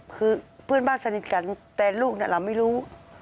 คือเพื่อนบ้านสนิทกันแต่ลูกเราไม่รู้